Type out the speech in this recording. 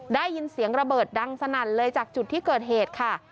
ได้ยินเสียงระเบิดดังสนั่นเลยจากจุดที่เกิดเหตุค่ะ